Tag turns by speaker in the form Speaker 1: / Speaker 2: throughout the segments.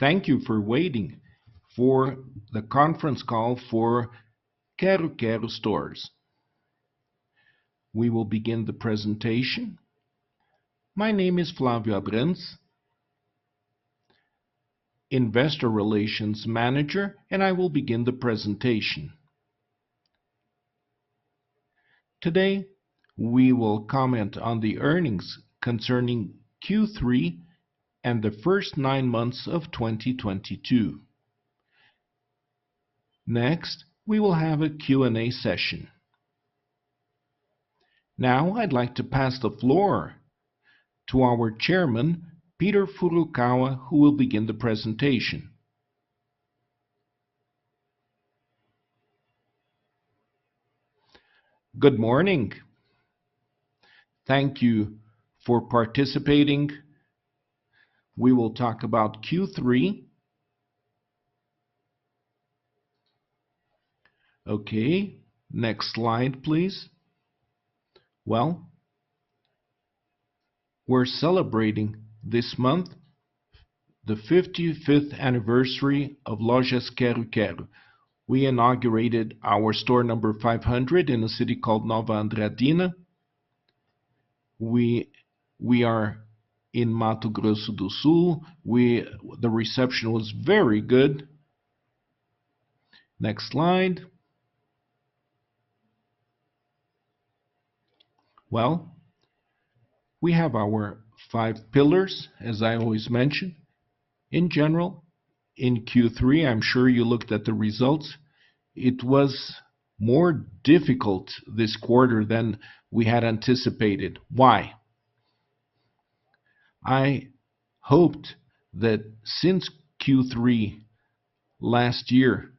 Speaker 1: Thank you for waiting for the conference call for Lojas Quero-Quero. We will begin the presentation. My name is Flavio Abrantes, Investor Relations Manager, and I will begin the presentation. Today, we will comment on the earnings concerning Q3 and the first nine months of 2022. Next, we will have a Q&A session. Now, I'd like to pass the floor to our chairman, Peter Furukawa, who will begin the presentation.
Speaker 2: Good morning. Thank you for participating. We will talk about Q3. Okay, next slide, please. Well, we're celebrating this month the 55th anniversary of Lojas Quero-Quero. We inaugurated our store number 500 in a city called Nova Andradina. We are in Mato Grosso do Sul. The reception was very good. Next slide. Well, we have our five pillars, as I always mention. In general, in Q3, I'm sure you looked at the results. It was more difficult this quarter than we had anticipated. Why? I hoped that since Q3 last year,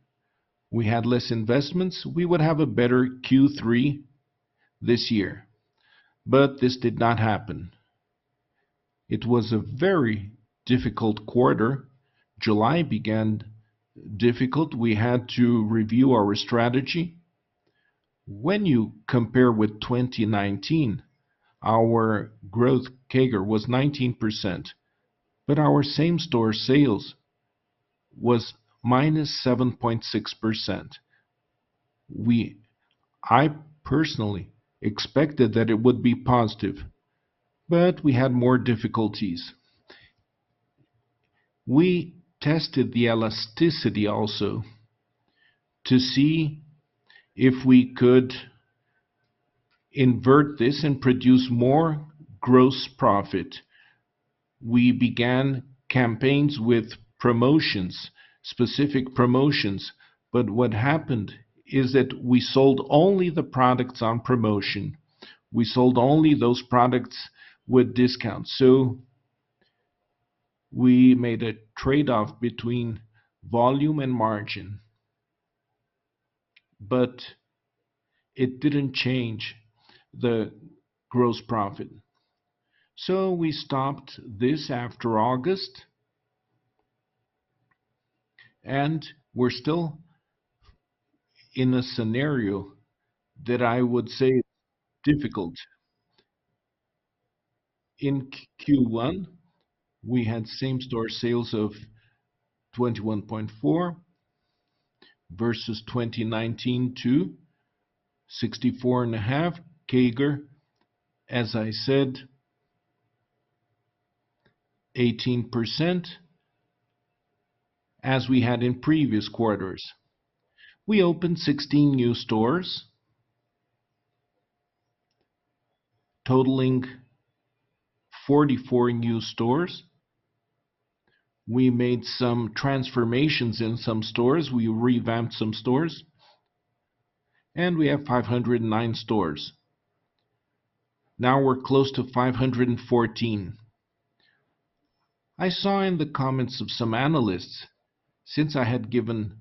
Speaker 2: we had less investments, we would have a better Q3 this year. This did not happen. It was a very difficult quarter. July began difficult. We had to review our strategy. When you compare with 2019, our growth CAGR was 19%, but our same-store sales was -7.6%. I personally expected that it would be positive, but we had more difficulties. We tested the elasticity also to see if we could invert this and produce more gross profit. We began campaigns with promotions, specific promotions, but what happened is that we sold only the products on promotion. We sold only those products with discounts. We made a trade-off between volume and margin, but it didn't change the gross profit. We stopped this after August, and we're still in a scenario that I would say difficult. In Q1, we had same-store sales of 21.4% versus 2019 to 64.5% CAGR, as I said, 18% as we had in previous quarters. We opened 16 new stores, totaling 44 new stores. We made some transformations in some stores. We revamped some stores, and we have 509 stores. Now we're close to 514. I saw in the comments of some analysts since I had given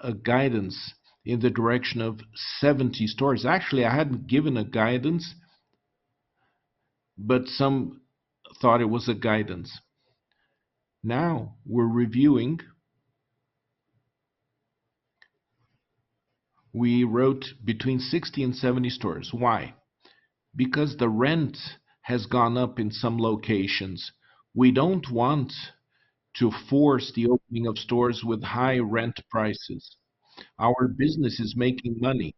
Speaker 2: a guidance in the direction of 70 stores. Actually, I hadn't given a guidance, but some thought it was a guidance. Now we're reviewing. We wrote between 60 and 70 stores. Why? Because the rent has gone up in some locations. We don't want to force the opening of stores with high rent prices. Our business is making money,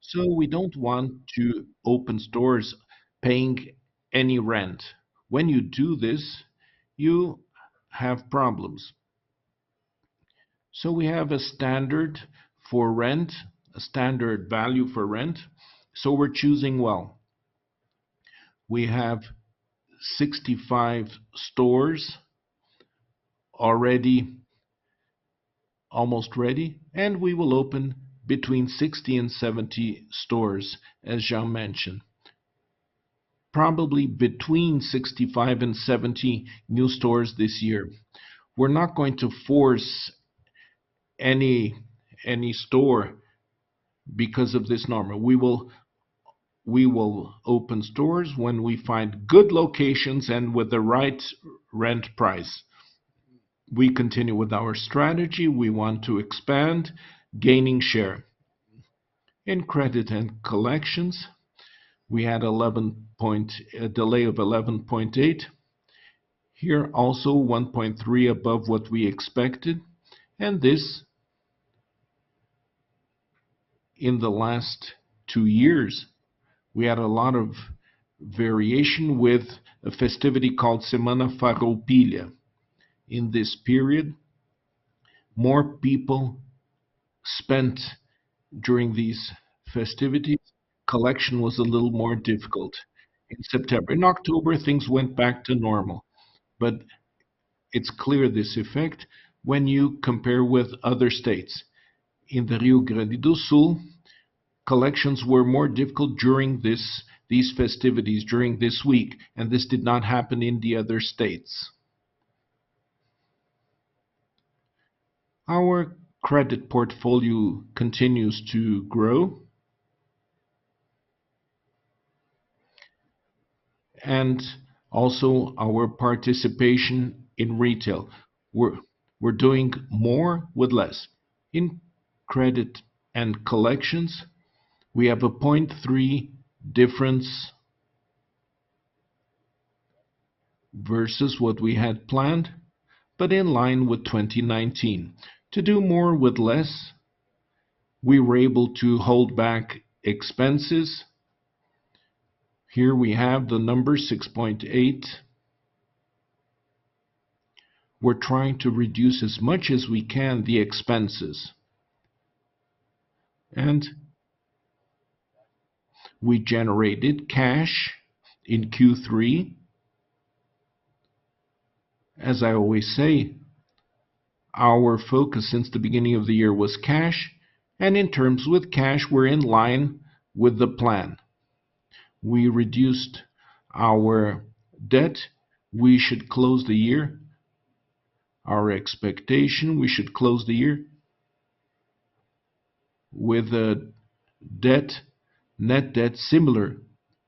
Speaker 2: so we don't want to open stores paying any rent. When you do this, you have problems. We have a standard for rent, a standard value for rent, so we're choosing well. We have 65 stores already almost ready, and we will open between 60 and 70 stores, as Jean mentioned. Probably between 65 and 70 new stores this year. We're not going to force any store because of this number. We will open stores when we find good locations and with the right rent price. We continue with our strategy. We want to expand gaining share in credit and collections, we had a delay of 11.8%. Here also 1.3% above what we expected. This, in the last two years, we had a lot of variation with a festivity called Semana Farroupilha. In this period, more people spent during these festivities. Collection was a little more difficult in September. In October, things went back to normal. It's clear this effect when you compare with other states. In the Rio Grande do Sul, collections were more difficult during these festivities, during this week, and this did not happen in the other states. Our credit portfolio continues to grow. Also our participation in retail. We're doing more with less. In credit and collections, we have a 0.3 difference versus what we had planned, but in line with 2019. To do more with less, we were able to hold back expenses. Here we have the number 6.8. We're trying to reduce as much as we can the expenses. We generated cash in Q3. As I always say, our focus since the beginning of the year was cash, and in terms of cash, we're in line with the plan. We reduced our debt. We should close the year. Our expectation, we should close the year with net debt similar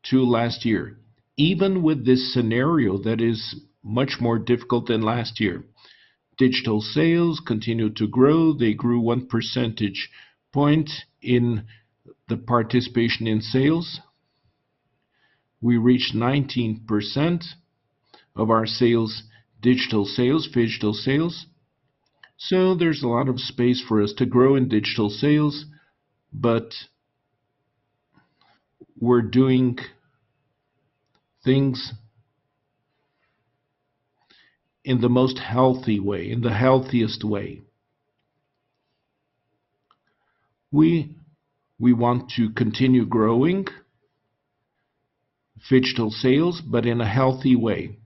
Speaker 2: to last year, even with this scenario that is much more difficult than last year. Digital sales continued to grow. They grew one percentage point in the participation in sales. We reached 19% of our sales, digital sales, phygital sales. There's a lot of space for us to grow in digital sales, but we're doing things in the most healthy way, in the healthiest way. We want to continue growing phygital sales, but in a healthy way.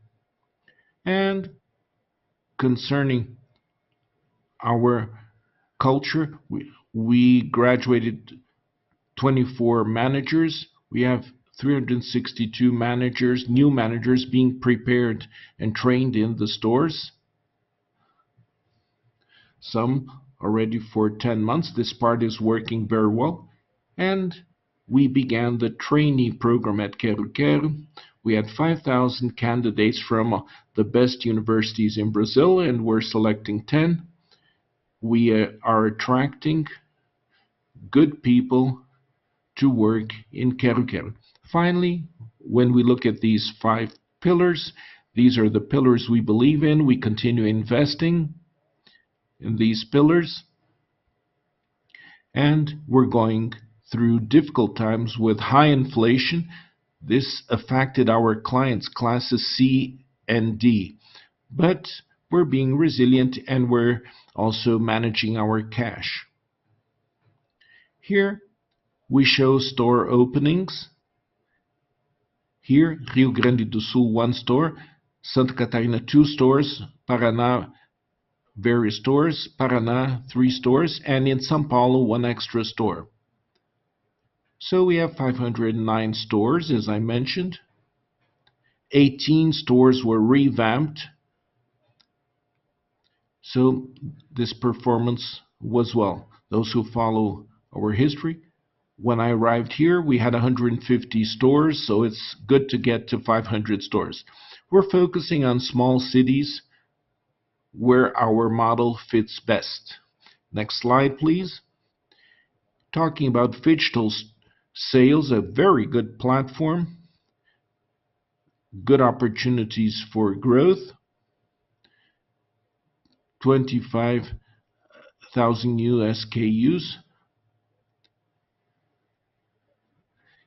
Speaker 2: Concerning our culture, we graduated 24 managers. We have 362 managers, new managers being prepared and trained in the stores. Some already for 10 months. This part is working very well. We began the trainee program at Quero-Quero. We had 5,000 candidates from the best universities in Brazil, and we're selecting 10. We are attracting good people to work in Quero-Quero. Finally, when we look at these five pillars, these are the pillars we believe in. We continue investing in these pillars. We're going through difficult times with high inflation. This affected our clients, classes C and D. We're being resilient, and we're also managing our cash. Here we show store openings. Here, Rio Grande do Sul, one store. Santa Catarina, two stores. Paraná, various stores. Paraná, three stores. In São Paulo, one extra store. We have 509 stores, as I mentioned. Eighteen stores were revamped. This performance was well. Those who follow our history, when I arrived here, we had 150 stores, so it's good to get to 500 stores. We're focusing on small cities where our model fits best. Next slide, please. Talking about phygital sales, a very good platform. Good opportunities for growth. 25,000 new SKUs.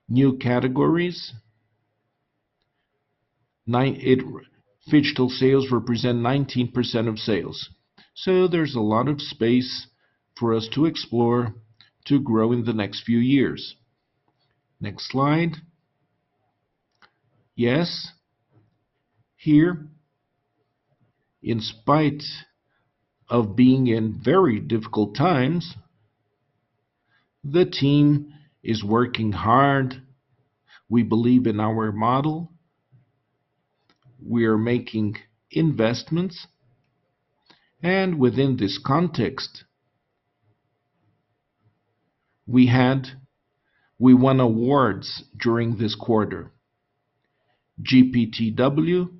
Speaker 2: New categories. Phygital sales represent 19% of sales. So there's a lot of space for us to explore to grow in the next few years. Next slide. Yes, here, in spite of being in very difficult times, the team is working hard. We believe in our model. We are making investments. Within this context, we won awards during this quarter. Great Place to Work.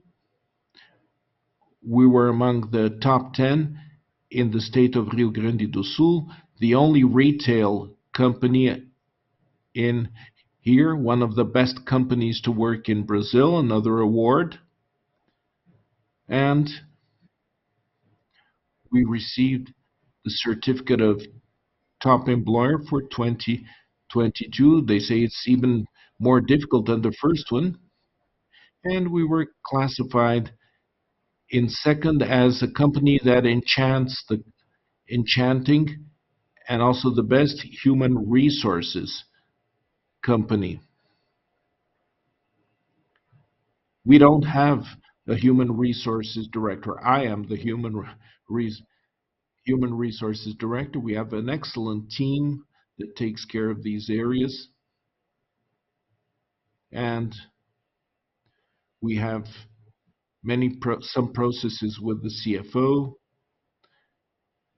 Speaker 2: We were among the top 10 in the state of Rio Grande do Sul, the only retail company in here, one of the best companies to work in Brazil, another award. We received the certificate of Top Employer for 2022. They say it's even more difficult than the first one. We were classified in second as a company that enchanting and also the best human resources company. We don't have a human resources director. I am the human resources director. We have an excellent team that takes care of these areas. We have some processes with the CFO,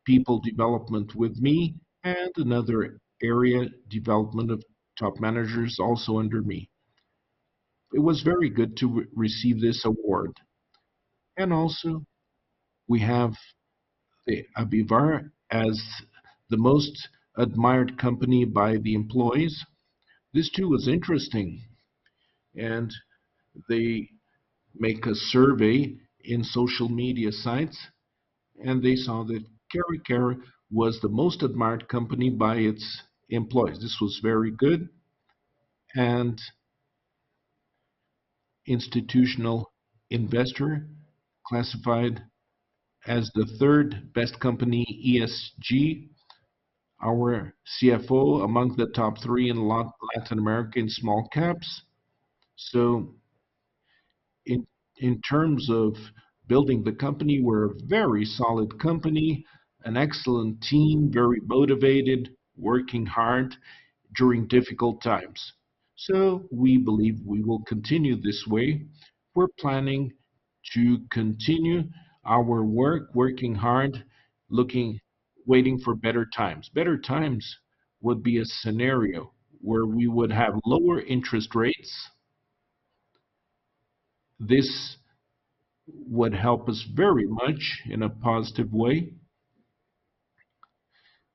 Speaker 2: people development with me, and another area development of top managers also under me. It was very good to receive this award. We have the Avivar as the most admired company by the employees. This too was interesting. They make a survey in social media sites, and they saw that Quero-Quero was the most admired company by its employees. This was very good. Institutional Investor classified as the third best company ESG. Our CFO among the top three in Latin American small caps. In terms of building the company, we're a very solid company, an excellent team, very motivated, working hard during difficult times. We believe we will continue this way. We're planning to continue our work, working hard, looking, waiting for better times. Better times would be a scenario where we would have lower interest rates. This would help us very much in a positive way.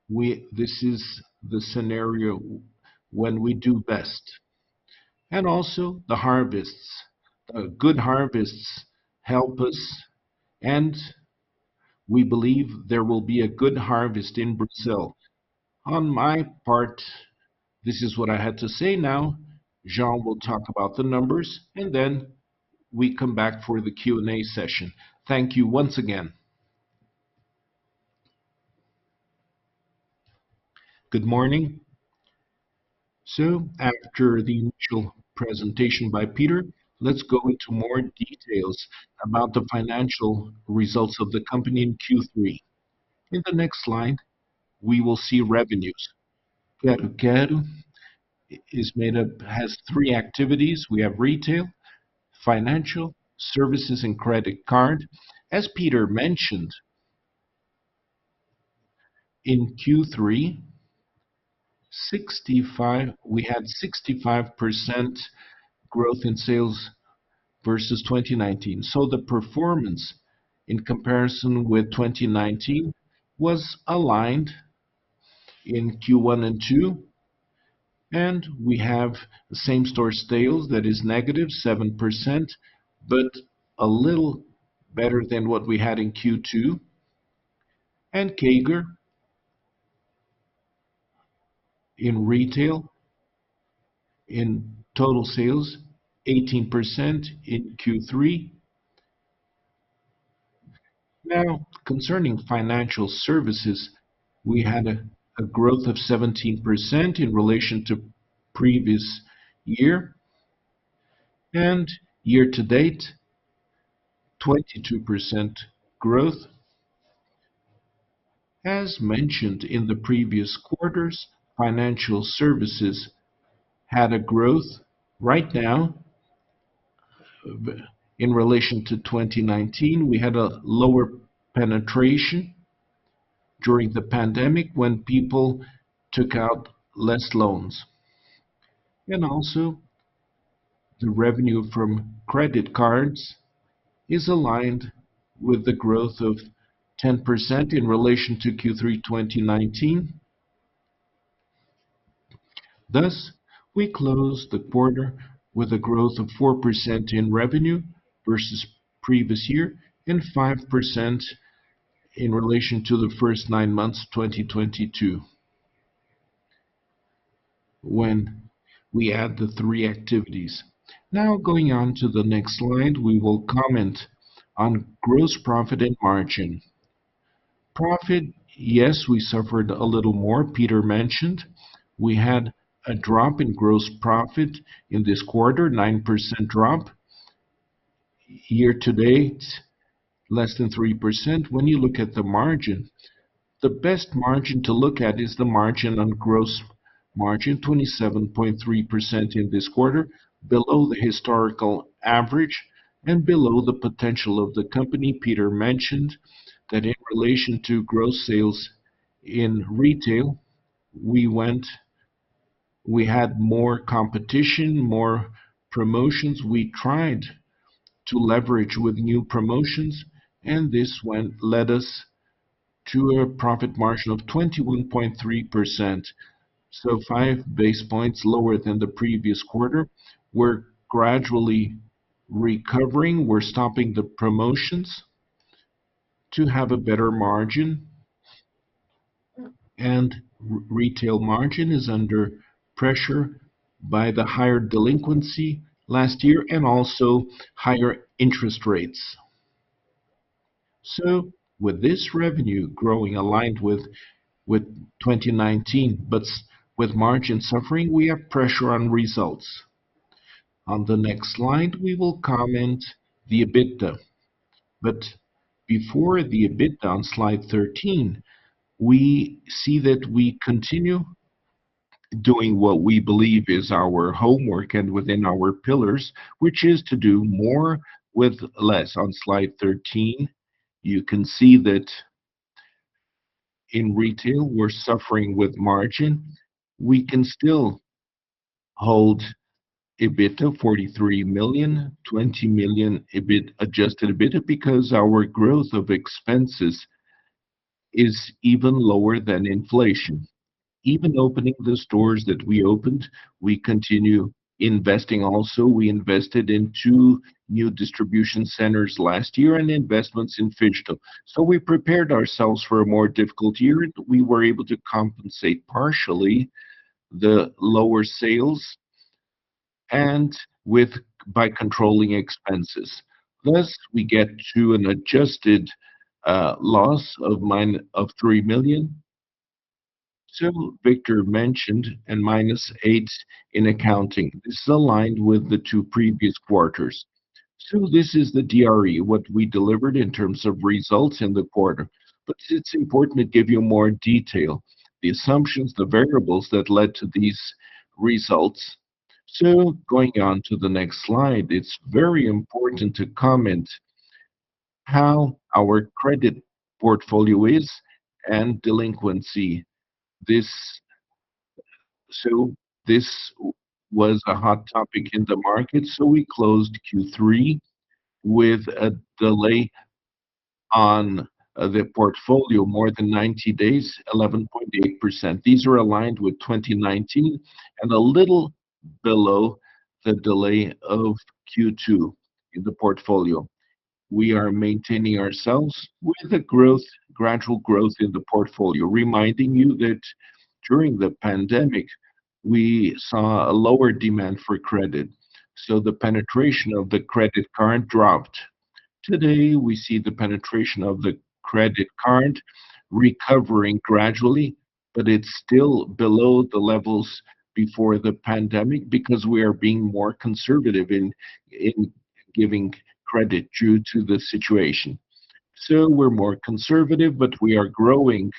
Speaker 2: This is the scenario when we do best. Also the harvests. Good harvests help us, and we believe there will be a good harvest in Brazil. On my part, this is what I had to say now. Jean will talk about the numbers, and then we come back for the Q&A session. Thank you once again.
Speaker 3: Good morning. After the initial presentation by Peter, let's go into more details about the financial results of the company in Q3. In the next slide, we will see revenues. Quero-Quero has three activities. We have retail, financial services, and credit card. As Peter mentioned, in Q3, we had 65% growth in sales versus 2019. The performance in comparison with 2019 was aligned in Q1 and Q2, and we have same-store sales that is -7%, but a little better than what we had in Q2. CAGR in retail, in total sales, 18% in Q3. Now, concerning financial services, we had a growth of 17% in relation to previous year and year to date, 22% growth. As mentioned in the previous quarters, financial services had a growth right now in relation to 2019. We had a lower penetration during the pandemic when people took out less loans. Also the revenue from credit cards is aligned with the growth of 10% in relation to Q3 2019. Thus, we closed the quarter with a growth of 4% in revenue versus previous year and 5% in relation to the first nine months of 2022 when we add the three activities. Now, going on to the next slide, we will comment on gross profit and margin. Profit, yes, we suffered a little more. Peter mentioned we had a drop in gross profit in this quarter, 9% drop. Year to date, less than 3%. When you look at the margin, the best margin to look at is the margin on gross margin, 27.3% in this quarter, below the historical average and below the potential of the company. Peter mentioned that in relation to gross sales in retail, we had more competition, more promotions. We tried to leverage with new promotions, and this one led us to a profit margin of 21.3%. Five basis points lower than the previous quarter. We're gradually recovering. We're stopping the promotions to have a better margin. Retail margin is under pressure by the higher delinquency last year and also higher interest rates. With this revenue growing aligned with 2019, but with margin suffering, we have pressure on results. On the next slide, we will comment on the EBITDA. Before the EBITDA on slide 13, we see that we continue doing what we believe is our homework and within our pillars, which is to do more with less. On slide 13, you can see that in retail, we're suffering with margin. We can still hold EBITDA, 43 million, 20 million EBIT, adjusted EBITDA, because our growth of expenses is even lower than inflation. Even opening the stores that we opened, we continue investing also. We invested in two new distribution centers last year and investments in phygital. We prepared ourselves for a more difficult year, and we were able to compensate partially the lower sales by controlling expenses. Thus, we get to an adjusted loss of minus 3 million. Peter mentioned and minus 8 million in accounting. This is aligned with the two previous quarters. This is the DRE, what we delivered in terms of results in the quarter. It's important to give you more detail, the assumptions, the variables that led to these results. Going on to the next slide, it's very important to comment how our credit portfolio is and delinquency. This was a hot topic in the market, so we closed Q3 with a delay on the portfolio more than 90 days, 11.8%. These are aligned with 2019 and a little below the delay of Q2 in the portfolio. We are maintaining ourselves with a growth, gradual growth in the portfolio, reminding you that during the pandemic, we saw a lower demand for credit. The penetration of the credit card dropped. Today, we see the penetration of the credit card recovering gradually, but it's still below the levels before the pandemic because we are being more conservative in giving credit due to the situation. We're more conservative, but we are growing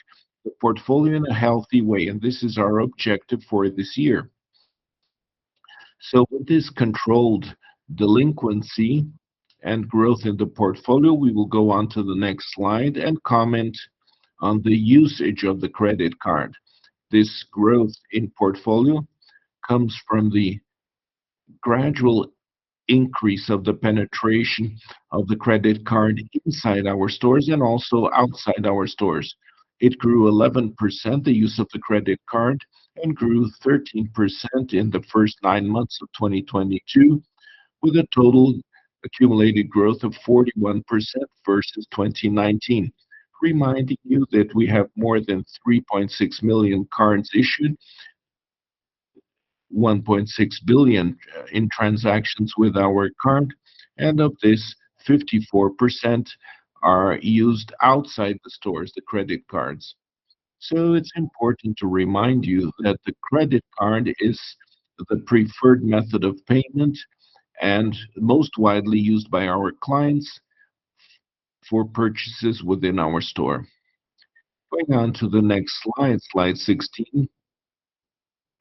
Speaker 3: the portfolio in a healthy way, and this is our objective for this year. With this controlled delinquency and growth in the portfolio, we will go on to the next slide and comment on the usage of the credit card. This growth in portfolio comes from the gradual increase of the penetration of the credit card inside our stores and also outside our stores. It grew 11%, the use of the credit card, and grew 13% in the first nine months of 2022, with a total accumulated growth of 41% versus 2019. Reminding you that we have more than 3.6 million cards issued, 1.6 billion in transactions with our card, and of this, 54% are used outside the stores, the credit cards. It's important to remind you that the credit card is the preferred method of payment and most widely used by our clients for purchases within our store. Going on to the next slide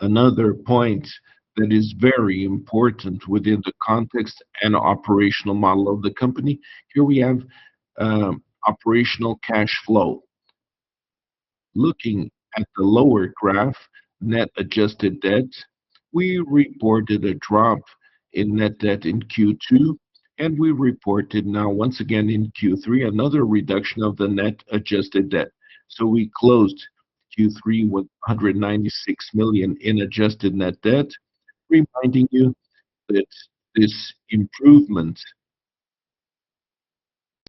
Speaker 3: 16. Another point that is very important within the context and operational model of the company. Here we have operational cash flow. Looking at the lower graph, net adjusted debt, we reported a drop in net debt in Q2, and we reported now once again in Q3 another reduction of the net adjusted debt. We closed Q3 with 196 million in adjusted net debt, reminding you that this improvement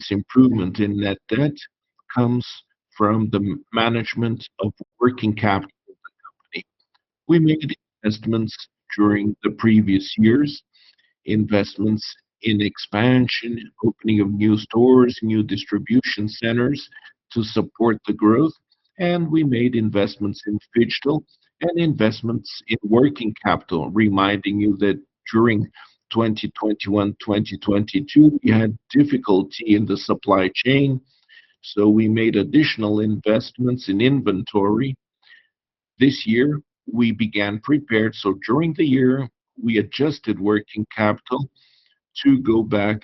Speaker 3: in net debt comes from the management of working capital of the company. We made investments during the previous years, investments in expansion, opening of new stores, new distribution centers to support the growth, and we made investments in phygital and investments in working capital, reminding you that during 2021, 2022, we had difficulty in the supply chain, so we made additional investments in inventory. This year, we began prepared. During the year, we adjusted working capital to go back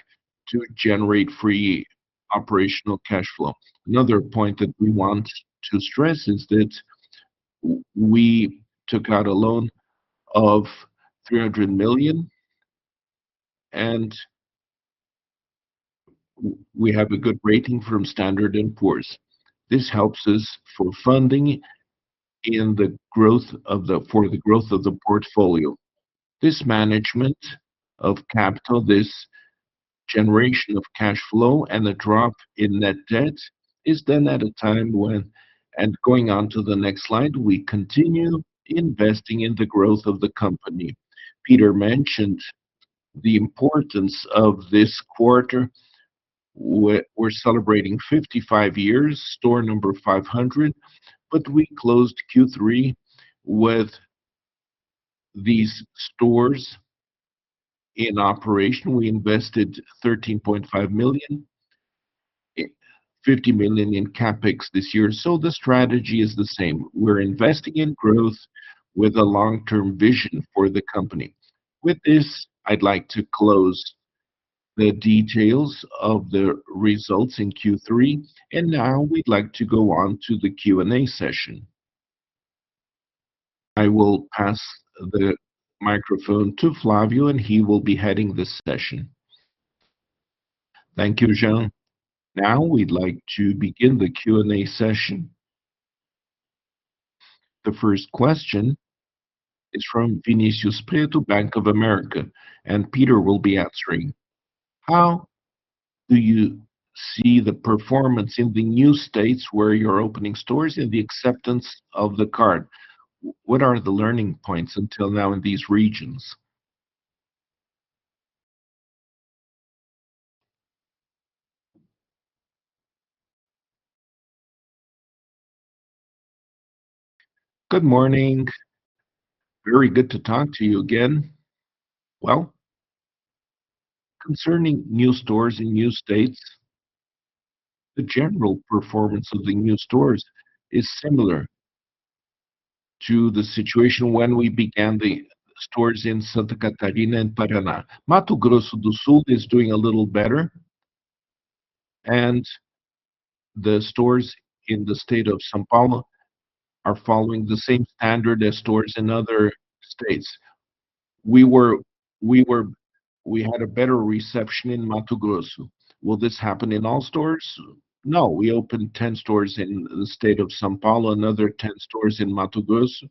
Speaker 3: to generate free operational cash flow. Another point that we want to stress is that we took out a loan of 300 million, and we have a good rating from Standard & Poor's. This helps us for funding for the growth of the portfolio. This management of capital, this generation of cash flow, and a drop in net debt is done at a time when we continue investing in the growth of the company. Peter mentioned the importance of this quarter. We're celebrating 55 years, store number 500, but we closed Q3 with these stores in operation. We invested 13.5 million, 50 million in CapEx this year. The strategy is the same. We're investing in growth with a long-term vision for the company. With this, I'd like to close the details of the results in Q3, and now we'd like to go on to the Q&A session. I will pass the microphone to Flavio, and he will be heading this session.
Speaker 1: Thank you, Jean. Now we'd like to begin the Q&A session. The first question is from Vinicius Prieto, Bank of America, and Peter will be answering.
Speaker 4: How do you see the performance in the new states where you're opening stores and the acceptance of the card? What are the learning points until now in these regions?
Speaker 2: Good morning. Very good to talk to you again. Well, concerning new stores in new states, the general performance of the new stores is similar to the situation when we began the stores in Santa Catarina and Paraná. Mato Grosso do Sul is doing a little better, and the stores in the state of São Paulo are following the same standard as stores in other states. We had a better reception in Mato Grosso.
Speaker 4: Will this happen in all stores? No. We opened 10 stores in the state of São Paulo, another 10 stores in Mato Grosso,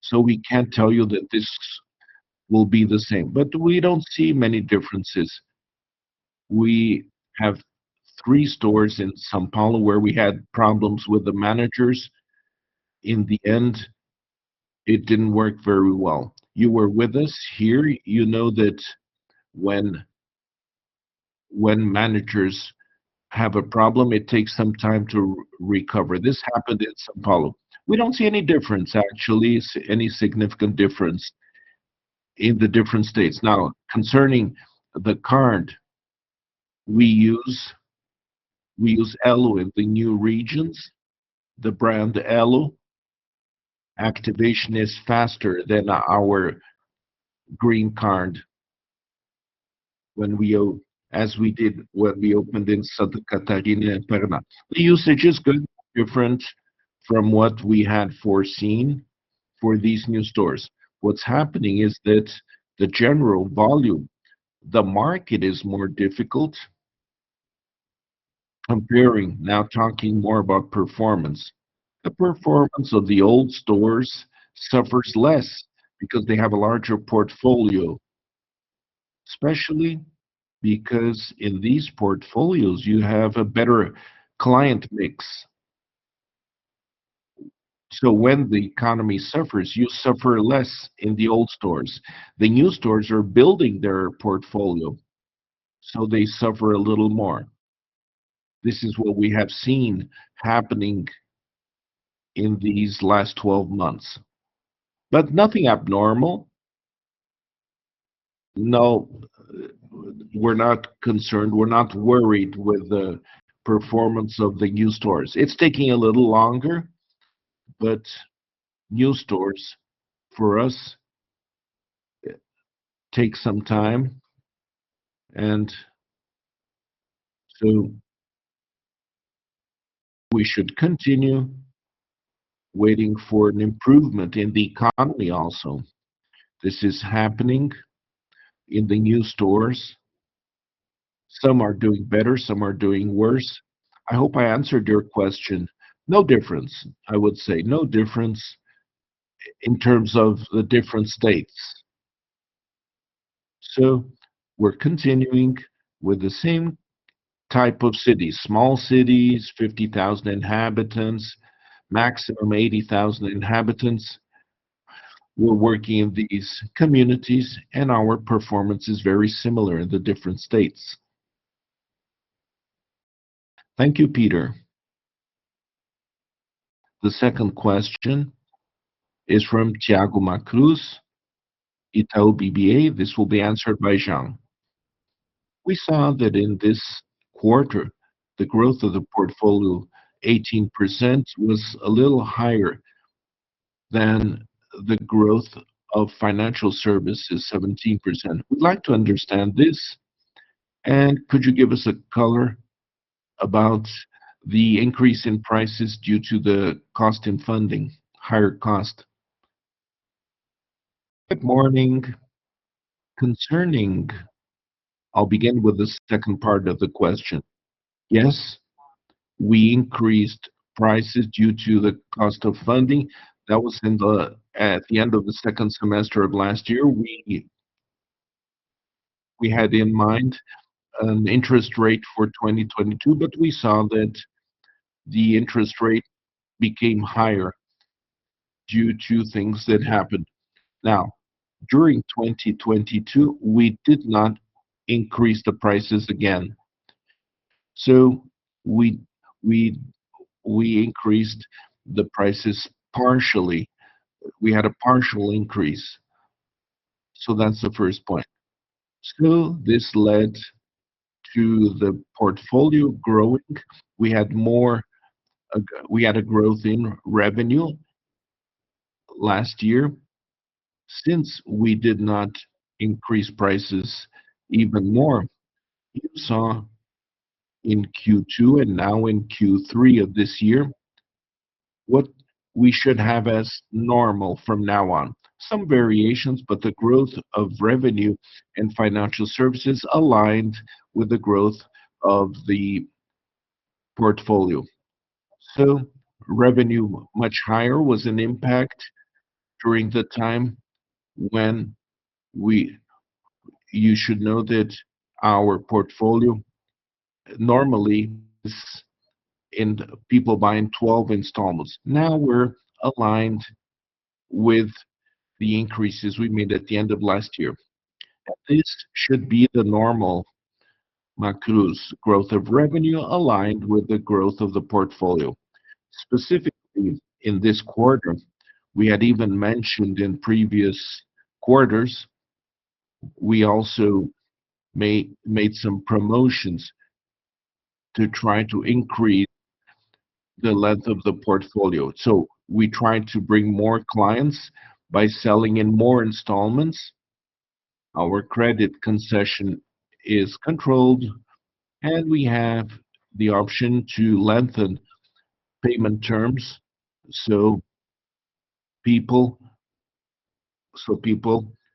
Speaker 4: so we can't tell you that this will be the same. We don't see many differences. We have three stores in São Paulo where we had problems with the managers. In the end, it didn't work very well. You were with us here. You know that when managers have a problem, it takes some time to recover. This happened in São Paulo. We don't see any difference, actually, any significant difference in the different states. Now, concerning the card we use, we use Elo in the new regions. The brand Elo activation is faster than our green card when we as we did when we opened in Santa Catarina and Paraná. The usage is different from what we had foreseen for these new stores.
Speaker 2: What's happening is that the general volume, the market is more difficult comparing now, talking more about performance. The performance of the old stores suffers less because they have a larger portfolio, especially because in these portfolios you have a better client mix. When the economy suffers, you suffer less in the old stores. The new stores are building their portfolio, so they suffer a little more. This is what we have seen happening in these last 12 months. Nothing abnormal. No, we're not concerned. We're not worried with the performance of the new stores. It's taking a little longer, but new stores, for us, take some time, and so we should continue waiting for an improvement in the economy also. This is happening in the new stores. Some are doing better, some are doing worse. I hope I answered your question. No difference, I would say. No difference in terms of the different states. We're continuing with the same type of cities, small cities, 50,000 inhabitants, maximum 80,000 inhabitants. We're working in these communities, and our performance is very similar in the different states.
Speaker 1: Thank you, Peter. The second question is from Thiago Macruz, Itaú BBA. This will be answered by Jean.
Speaker 5: We saw that in this quarter, the growth of the portfolio 18% was a little higher than the growth of financial services, 17%. We'd like to understand this. Could you give us a color about the increase in prices due to the cost of funding, higher cost?
Speaker 3: Good morning. I'll begin with the second part of the question. Yes, we increased prices due to the cost of funding. That was at the end of the second semester of last year. We had in mind an interest rate for 2022, but we saw that the interest rate became higher due to things that happened. Now, during 2022, we did not increase the prices again. We increased the prices partially. We had a partial increase. That's the first point. This led to the portfolio growing. We had more. We had a growth in revenue last year since we did not increase prices even more. You saw in Q2 and now in Q3 of this year what we should have as normal from now on. Some variations, but the growth of revenue and financial services aligned with the growth of the portfolio. Revenue much higher was an impact during the time. You should know that our portfolio normally is in people buying 12 installments. Now we're aligned with the increases we made at the end of last year. This should be the normal Macruz growth of revenue aligned with the growth of the portfolio. Specifically in this quarter, we had even mentioned in previous quarters we also made some promotions to try to increase the length of the portfolio. We tried to bring more clients by selling in more installments. Our credit concession is controlled, and we have the option to lengthen payment terms so people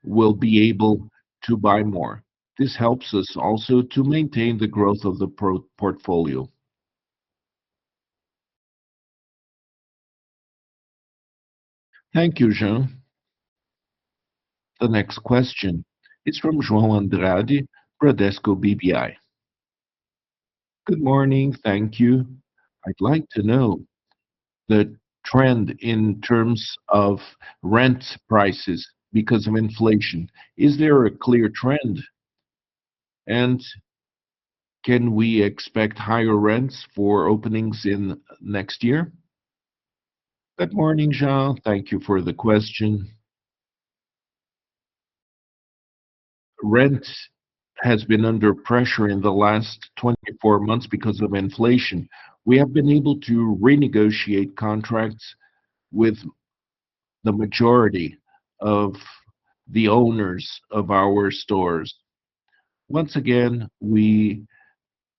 Speaker 3: will be able to buy more. This helps us also to maintain the growth of the portfolio.
Speaker 1: Thank you, Jean. The next question is from João Andrade, Bradesco BBI.
Speaker 6: Good morning. Thank you. I'd like to know the trend in terms of rent prices because of inflation. Is there a clear trend? And can we expect higher rents for openings in next year?
Speaker 2: Good morning, João. Thank you for the question. Rent has been under pressure in the last 24 months because of inflation. We have been able to renegotiate contracts with the majority of the owners of our stores. Once again, we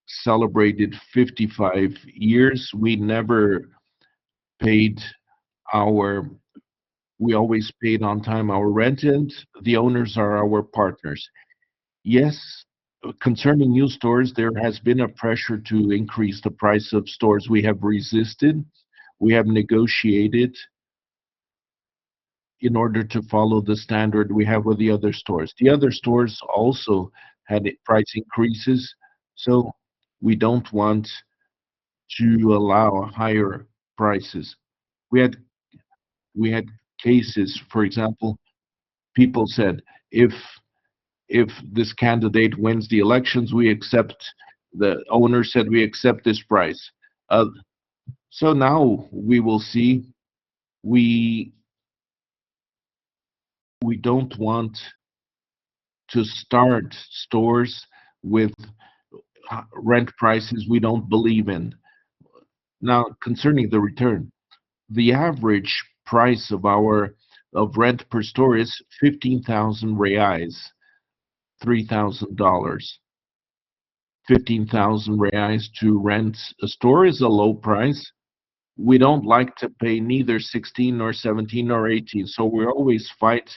Speaker 2: celebrated 55 years. We always paid on time our rent, and the owners are our partners. Yes, concerning new stores, there has been a pressure to increase the price of stores. We have resisted. We have negotiated in order to follow the standard we have with the other stores. The other stores also had price increases, so we don't want to allow higher prices. We had cases, for example, people said, "If this candidate wins the elections, we accept." The owner said, "We accept this price." Now we will see. We don't want to start stores with rent prices we don't believe in. Now, concerning the return, the average price of rent per store is 15,000 reais, $3,000. 15,000 reais to rent a store is a low price. We don't like to pay neither 16 nor 17 or 18, so we always fight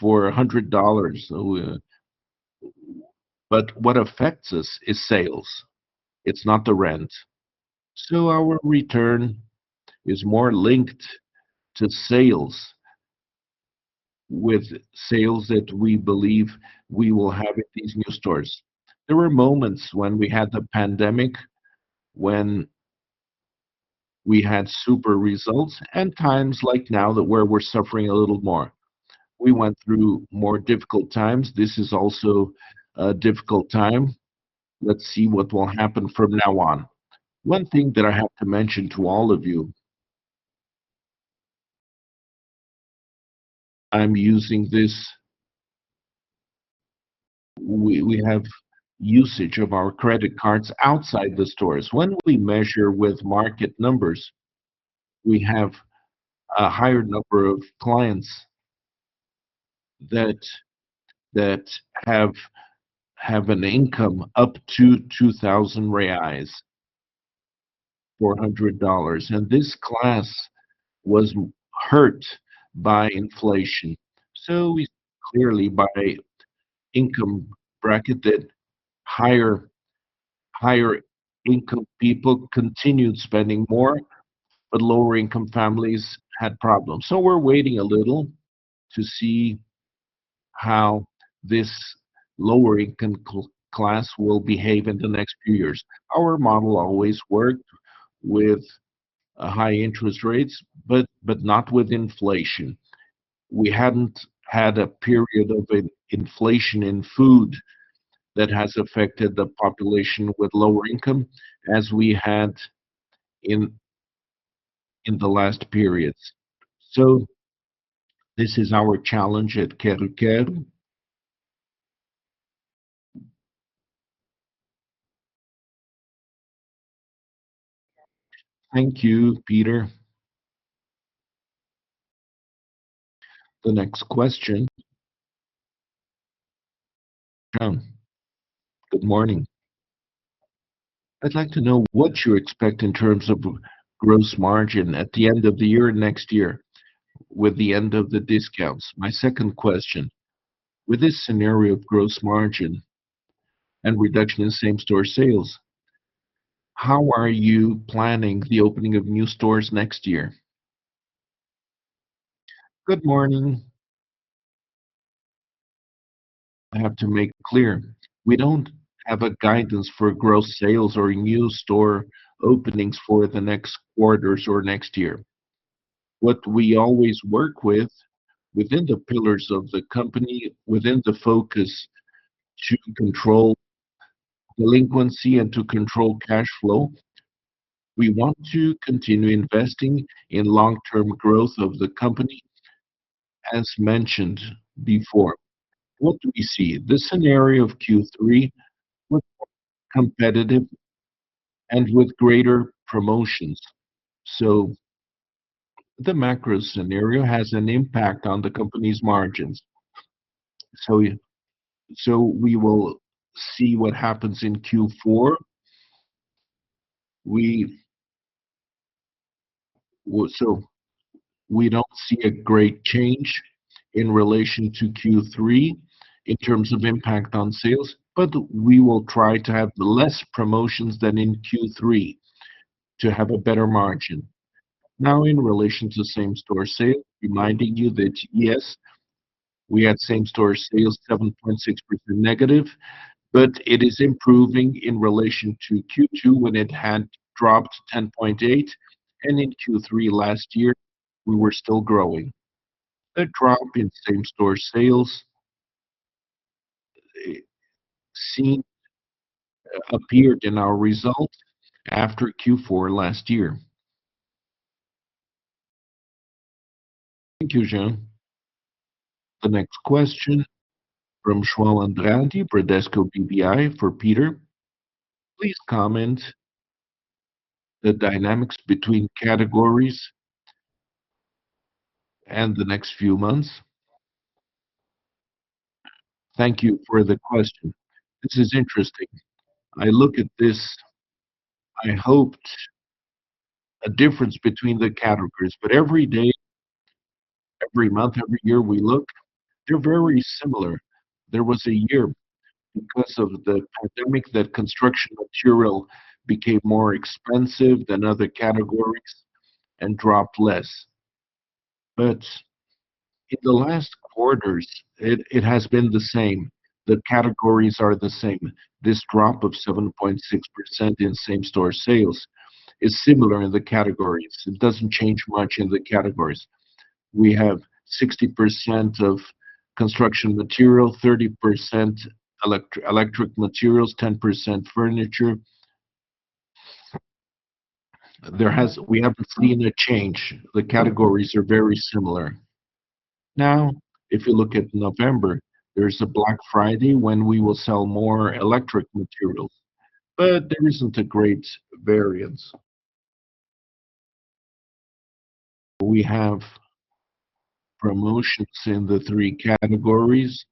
Speaker 2: for a hundred dollars. What affects us is sales. It's not the rent. Our return is more linked to sales, with sales that we believe we will have at these new stores. There were moments when we had the pandemic when we had super results and times like now that where we're suffering a little more. We went through more difficult times. This is also a difficult time. Let's see what will happen from now on. One thing that I have to mention to all of you. I'm using this. We have usage of our credit cards outside the stores. When we measure with market numbers, we have a higher number of clients that have an income up to 2,000 reais, $400. This class was hurt by inflation. We see clearly by income bracket that higher income people continued spending more, but lower income families had problems. We're waiting a little to see how this lower income class will behave in the next few years. Our model always worked with high interest rates, but not with inflation. We hadn't had a period of inflation in food that has affected the population with lower income as we had in the last periods. This is our challenge at Quero-Quero.
Speaker 1: Thank you, Peter. The next question.
Speaker 7: Jean, good morning. I'd like to know what you expect in terms of gross margin at the end of the year next year with the end of the discounts. My second question: With this scenario of gross margin and reduction in same-store sales, how are you planning the opening of new stores next year?
Speaker 3: Good morning. I have to make clear, we don't have a guidance for gross sales or new store openings for the next quarters or next year. What we always work with within the pillars of the company, within the focus to control delinquency and to control cash flow, we want to continue investing in long-term growth of the company, as mentioned before. What do we see? The scenario of Q3 was more competitive and with greater promotions. The macro scenario has an impact on the company's margins. We will see what happens in Q4. We don't see a great change in relation to Q3 in terms of impact on sales, but we will try to have less promotions than in Q3 to have a better margin. Now, in relation to same-store sales, reminding you that yes, we had same-store sales -7.6%, but it is improving in relation to Q2 when it had dropped 10.8%, and in Q3 last year we were still growing. The drop in same-store sales appeared in our results after Q4 last year.
Speaker 1: Thank you, Jean. The next question from João Andrade, Bradesco BBI, for Peter Furukawa.
Speaker 6: Please comment the dynamics between categories and the next few months.
Speaker 2: Thank you for the question. This is interesting. I look at this. I hope there's a difference between the categories, but every day, every month, every year we look, they're very similar. There was a year because of the pandemic that construction material became more expensive than other categories and dropped less. In the last quarters, it has been the same. The categories are the same. This drop of 7.6% in same-store sales is similar in the categories. It doesn't change much in the categories. We have 60% of construction material, 30% electrical materials, 10% furniture. We haven't seen a change. The categories are very similar. Now, if you look at November, there's a Black Friday when we will sell more electrical materials, but there isn't a great variance. We have promotions in the three categories.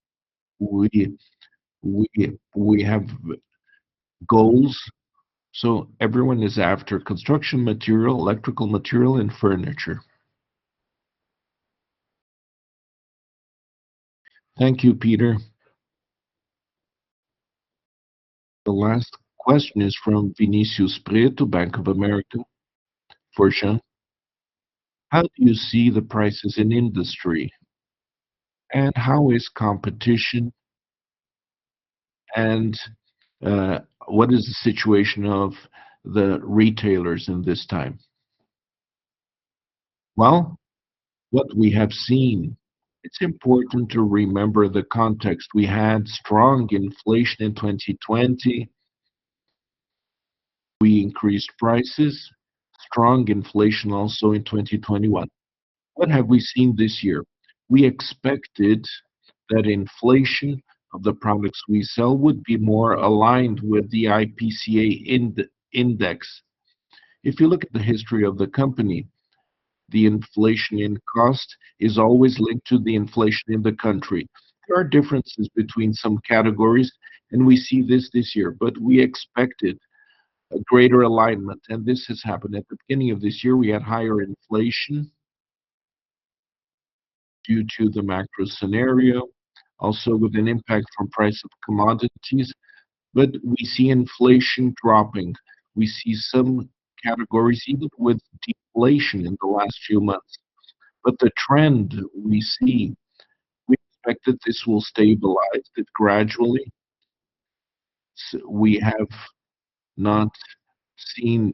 Speaker 2: We have goals, so everyone is after construction material, electrical material and furniture.
Speaker 1: Thank you, Peter. The last question is from Vinicius Prieto, Bank of America, for Jean.
Speaker 4: How do you see the prices in industry, and how is competition and, what is the situation of the retailers in this time?
Speaker 3: Well, what we have seen, it's important to remember the context. We had strong inflation in 2020. We increased prices, strong inflation also in 2021. What have we seen this year? We expected that inflation of the products we sell would be more aligned with the IPCA index. If you look at the history of the company, the inflation in cost is always linked to the inflation in the country. There are differences between some categories, and we see this year, but we expected a greater alignment, and this has happened. At the beginning of this year, we had higher inflation due to the macro scenario, also with an impact from price of commodities. We see inflation dropping. We see some categories even with deflation in the last few months. The trend we see, we expect that this will stabilize, that gradually we have not seen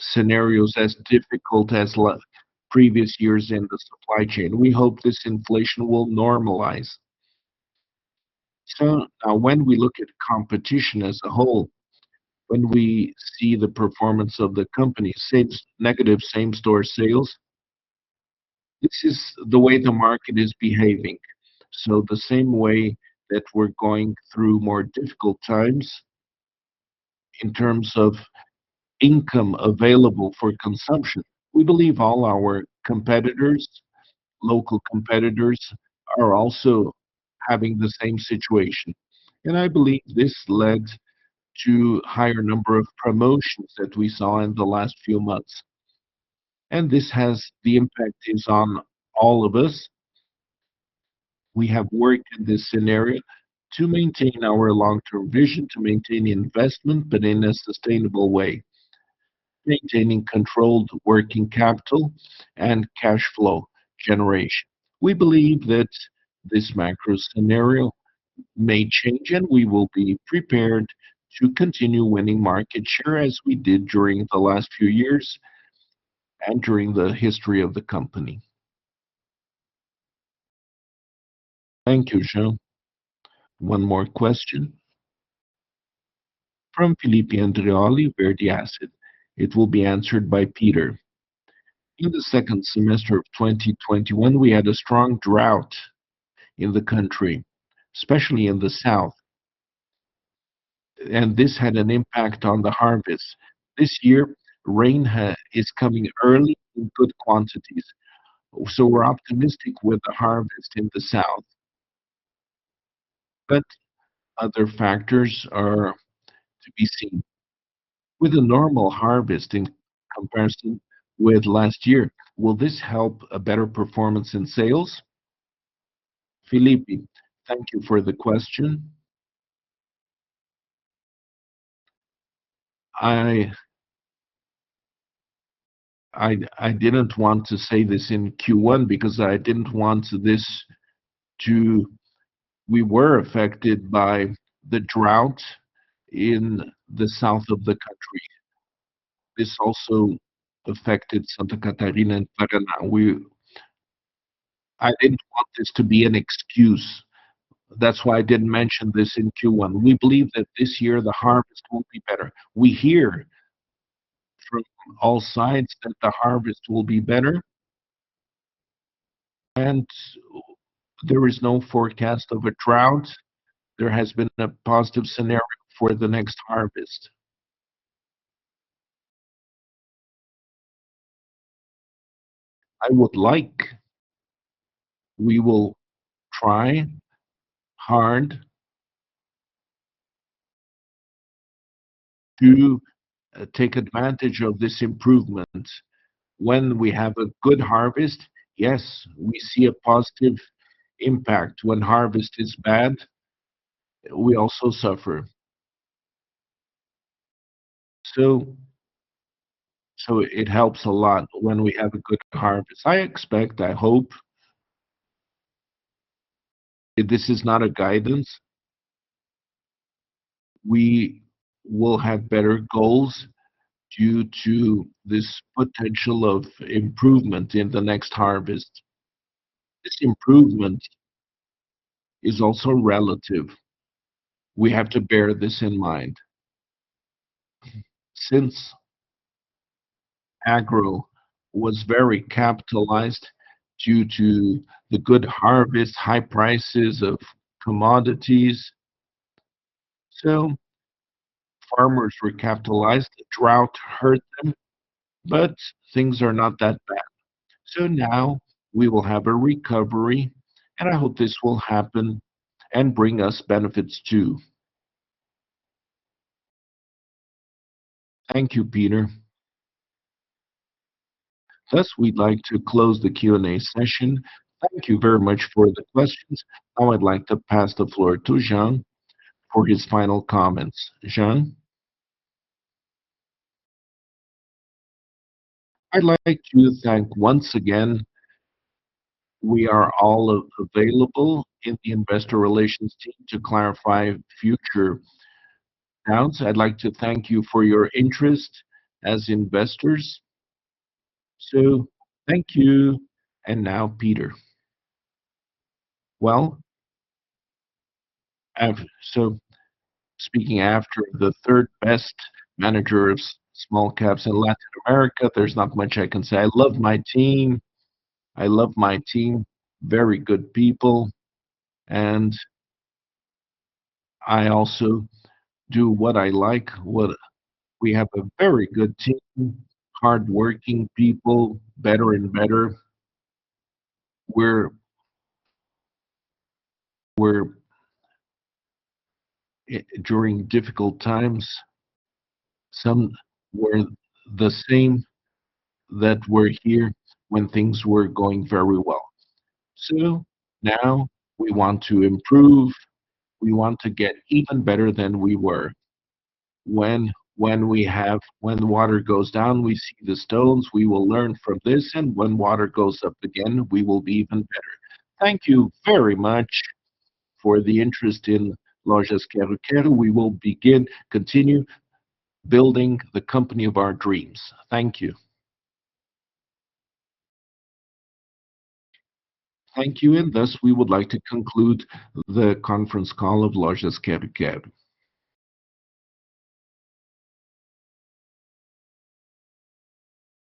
Speaker 3: scenarios as difficult as previous years in the supply chain. We hope this inflation will normalize. When we look at competition as a whole, when we see the performance of the company, negative same-store sales, this is the way the market is behaving. The same way that we're going through more difficult times in terms of income available for consumption, we believe all our competitors, local competitors, are also having the same situation. I believe this led to higher number of promotions that we saw in the last few months. This has an impact on all of us. We have worked in this scenario to maintain our long-term vision, to maintain investment, but in a sustainable way, maintaining controlled working capital and cash flow generation. We believe that this macro scenario may change, and we will be prepared to continue winning market share as we did during the last few years and during the history of the company.
Speaker 1: Thank you, Jean. One more question from Felipe Andreoli, Verde Asset. It will be answered by Peter.
Speaker 8: In the second semester of 2021, we had a strong drought in the country, especially in the south, and this had an impact on the harvest. This year, rain is coming early in good quantities, so we're optimistic with the harvest in the south. Other factors are to be seen. With a normal harvest in comparison with last year, will this help a better performance in sales?
Speaker 2: Felipe, thank you for the question. I didn't want to say this in Q1 because I didn't want this to. We were affected by the drought in the south of the country. This also affected Santa Catarina and Paraná. I didn't want this to be an excuse. That's why I didn't mention this in Q1. We believe that this year the harvest will be better. We hear from all sides that the harvest will be better and there is no forecast of a drought. There has been a positive scenario for the next harvest. We will try hard to take advantage of this improvement. When we have a good harvest, yes, we see a positive impact. When harvest is bad, we also suffer. So it helps a lot when we have a good harvest. I expect, I hope. This is not a guidance. We will have better goals due to this potential of improvement in the next harvest. This improvement is also relative. We have to bear this in mind. Since agro was very capitalized due to the good harvest, high prices of commodities, so farmers recapitalized, the drought hurt them, but things are not that bad. So now we will have a recovery, and I hope this will happen and bring us benefits too. Thank you, Peter. Thus, we'd like to close the Q&A session. Thank you very much for the questions. Now I'd like to pass the floor to Jean for his final comments. Jean?
Speaker 3: I'd like to thank once again. We are all available in the Investor Relations team to clarify future accounts. I'd like to thank you for your interest as investors. Thank you. Now Peter.
Speaker 2: Well, so speaking after the third best manager of small caps in Latin America, there's not much I can say. I love my team. Very good people. I also do what I like. We have a very good team, hardworking people, better and better. We're During difficult times, some were the same that were here when things were going very well. Now we want to improve. We want to get even better than we were. When the water goes down, we see the stones. We will learn from this. When water goes up again, we will be even better. Thank you very much for the interest in Lojas Quero-Quero. We will continue building the company of our dreams. Thank you.
Speaker 1: Thank you. We would like to conclude the conference call of Lojas Quero-Quero.